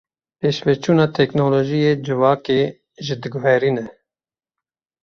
Pêşveçûna teknolojiyê civakê jî diguherîne.